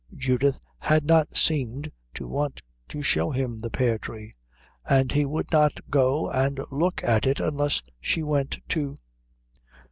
Judith had not seemed to want to show him the pear tree, and he would not go and look at it unless she went, too.